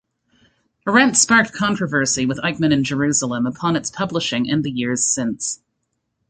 Arendt sparked controversy with "Eichmann in Jerusalem" upon its publishing and the years since.